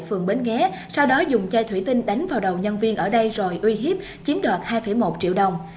phường bến ghé sau đó dùng chai thủy tinh đánh vào đầu nhân viên ở đây rồi uy hiếp chiếm đoạt hai một triệu đồng